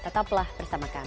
tetaplah bersama kami